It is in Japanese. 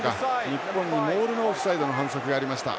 日本にモールのオフサイドの反則がありました。